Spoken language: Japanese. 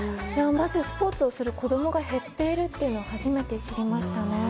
スポーツをする子供が減っているのを初めて知りましたね。